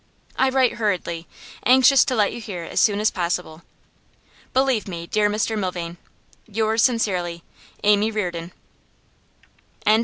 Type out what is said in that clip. I write hurriedly, anxious to let you hear as soon as possible. 'Believe me, dear Mr Milvain, 'Yours sincerely, 'AMY REARDON.